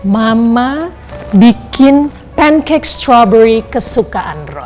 mama bikin pancake strawberry kesukaan roy